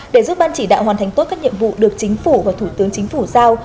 để giúp ban chỉ đạo hoàn thành tốt các nhiệm vụ được chính phủ và thủ tướng chính phủ giao